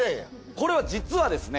これは実はですね